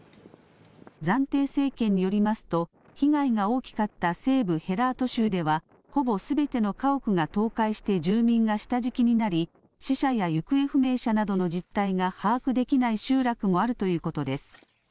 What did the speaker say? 暫定政権によりますと被害が大きかった西部ヘラート州では、ほぼすべての家屋が倒壊して住民が下敷きになり死者や行方不明者などの実態が把握できない集落もあるということです。